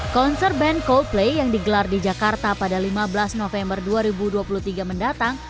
konser band coldplay yang digelar di jakarta pada lima belas november dua ribu dua puluh tiga mendatang